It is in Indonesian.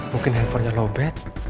mungkin handphonenya lowbat